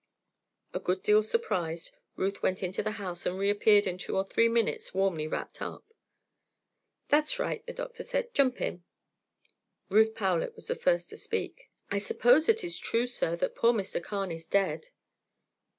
A good deal surprised, Ruth went into the house and reappeared in two or three minutes warmly wrapped up. "That's right," the doctor said; "jump in." Ruth Powlett was the first to speak. "I suppose it is true, sir, that poor Mr. Carne is dead?"